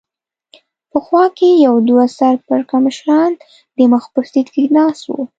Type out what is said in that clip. په خوا کې یې دوه سر پړکمشران د مخ په سېټ کې ناست و.